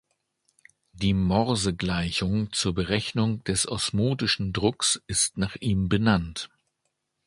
Die Morse-Gleichung zur Berechnung des osmotischen Drucks ist nach ihm benannt.